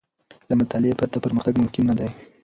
له مطالعې پرته، پرمختګ ممکن نه دی.